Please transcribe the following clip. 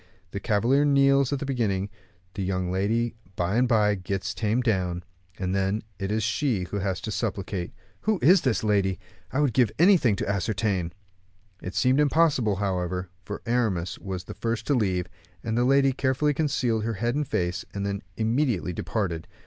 The cavalier kneels at the beginning, the young lady by and by gets tamed down, and then it is she who has to supplicate. Who is this lady? I would give anything to ascertain." This seemed impossible, however, for Aramis was the first to leave; the lady carefully concealed her head and face, and then immediately departed.